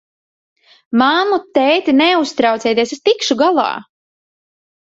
Mammu, tēti, neuztraucieties, es tikšu galā!